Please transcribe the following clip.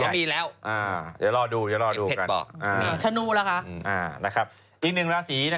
พี่เบิ้ลก็มีงานใหญ่